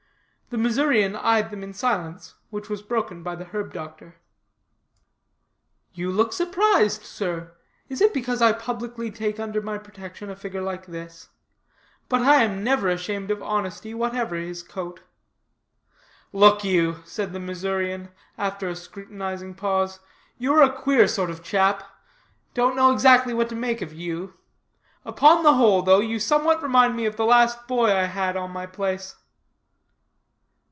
The Missourian eyed them in silence, which was broken by the herb doctor. "You look surprised, sir. Is it because I publicly take under my protection a figure like this? But I am never ashamed of honesty, whatever his coat." "Look you," said the Missourian, after a scrutinizing pause, "you are a queer sort of chap. Don't know exactly what to make of you. Upon the whole though, you somewhat remind me of the last boy I had on my place."